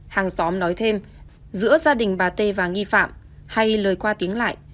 hàng xóm nói thêm giữa gia đình bà t và nghi phạm hay lời qua tiếng lại